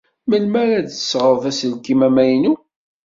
Melmi ara d-tesɣed aselkim amaynu?